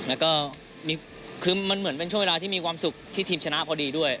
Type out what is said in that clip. แล้วก็คือมันเหมือนเป็นช่วงเวลาที่มีความสุขที่ทีมชนะพอดีด้วย